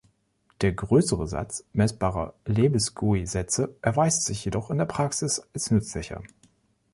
Der größere Satz messbarer Lebesgue-Sätze erweist sich jedoch in der Praxis als nützlicher.